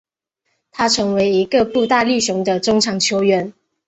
他成为一个步大力雄的中场球员。